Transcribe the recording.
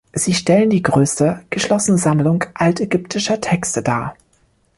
Sie stellen die größte geschlossene Sammlung altägyptischer Texte dar.